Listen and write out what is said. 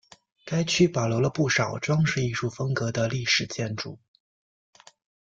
该区保留了不少装饰艺术风格的历史建筑。